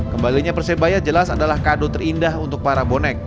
kembalinya persebaya jelas adalah kado terindah untuk para bonek